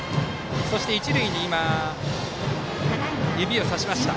そして一塁に今、指を刺しました。